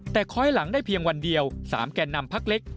แต่ค้อยหลังได้เพียงวันเดียว๓แก่นำพักเล็ก